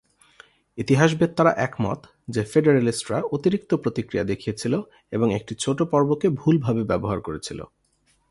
ইতিহাসবেত্তারা একমত যে ফেডারেলিস্টরা অতিরিক্ত প্রতিক্রিয়া দেখিয়েছিল এবং একটি ছোট পর্বকে ভুলভাবে ব্যবহার করেছিল।